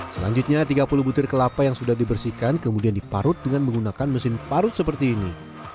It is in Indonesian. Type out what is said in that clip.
selanjutnya tiga puluh butir kelapa yang sudah dibersihkan kemudian diparut dengan menggunakan mesin parut seperti ini